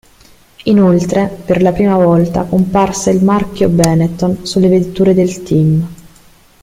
Inoltre, per la prima volta, comparse il marchio Benetton sulle vetture del team.